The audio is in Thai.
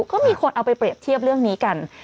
ก็มีคนเอาไปเปรียบเทียบเรื่องนี้กัน